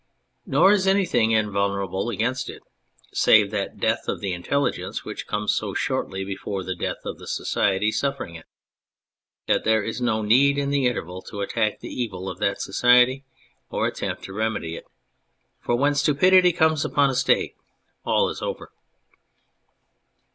Nor is anything invul nerable against it save that death of the intelligence which comes so shortly before the death of the society suffering it, that there is no need in the interval to attack the evil of that society or attempt to remedy it ; for when stupidity come upon a State all is over.